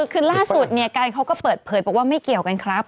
คือล่าสุดเนี่ยกันเขาก็เปิดเผยบอกว่าไม่เกี่ยวกันครับ